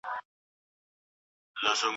نومونه د اسمان تر ستورو ډېر وه په حساب کي